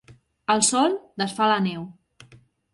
El sol desfà la neu.